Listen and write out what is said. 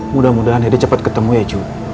mudah mudahan dede cepat ketemu ya cuk